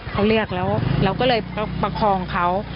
เขาเรียกแล้วเราก็เลยประคองเขา